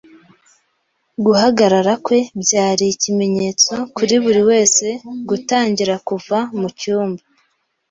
Guhagarara kwe byari ikimenyetso kuri buri wese gutangira kuva mucyumba.